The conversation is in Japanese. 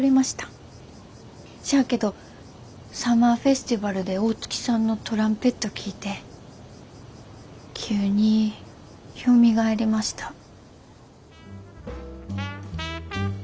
しゃあけどサマーフェスティバルで大月さんのトランペット聴いて急によみがえりました。